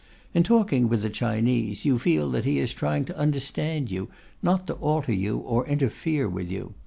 In talking with a Chinese, you feel that he is trying to understand you, not to alter you or interfere with you.